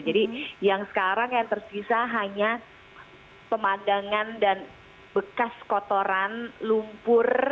jadi yang sekarang yang tersisa hanya pemandangan dan bekas kotoran lumpur